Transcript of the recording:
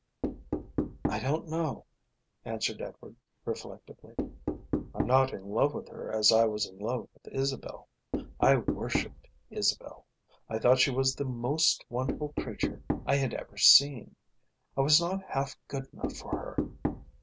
"I don't know," answered Edward reflectively. "I'm not in love with her as I was in love with Isabel. I worshipped Isabel. I thought she was the most wonderful creature I had ever seen. I was not half good enough for her.